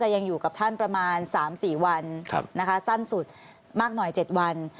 ยังอยู่กับท่านประมาณ๓๔วันสั้นสุดมากหน่อย๗วัน